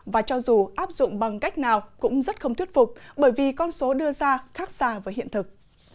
và cho dù áp dụng bằng cách nào cũng rất không thuyết phục bởi vì con số đưa ra khác xa với hiện thực